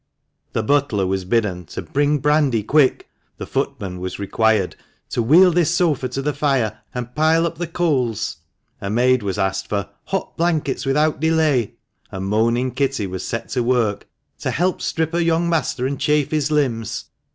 The butler was bidden to " bring brandy, quick !" The footman was required to " wheel this sofa to the fire and pile up the coals !" A maid was asked for "hot blankets without delay!" and moaning Kitty was set to work to "help to strip her young master and chafe his limbs."